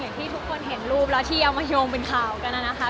ที่ทุกคนเห็นรูปแล้วที่เอามาโยงเป็นข่าวกันนะคะ